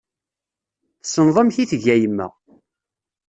Tessneḍ amek i tga yemma.